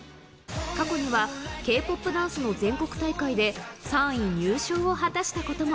過去にはＫ−ＰＯＰダンスの全国大会で３位入賞を果たしたことも。